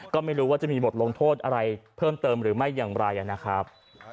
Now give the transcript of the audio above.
ก็ไม่รู้ว่าจะมีบทลงโทษอะไรเพิ่มเติมหรือไม่อย่างไรนะครับ